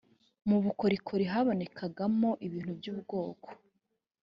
mu bukorikori habonekagamo ibintu by ubwoko